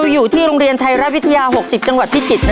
และวันนี้โรงเรียนไทรรัฐวิทยา๖๐จังหวัดพิจิตรครับ